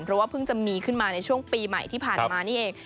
เพราะว่าเพิ่งจะมีขึ้นมาในช่วงปีใหม่ที่ผ่านมานี่เอง